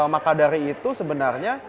maka dari itu sebenarnya